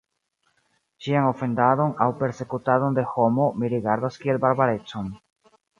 Ĉian ofendadon aŭ persekutadon de homo mi rigardas kiel barbarecon.